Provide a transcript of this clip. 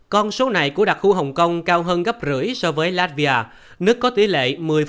con số này của đặc khu hồng kông cao hơn gấp rưỡi so với latvia nước có tỷ lệ một mươi bảy mươi một